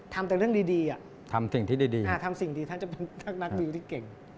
ทำแต่เรื่องดีอ่ะทำสิ่งที่ดีทำสิ่งดีท่านจะเป็นนักวิวที่เก่ง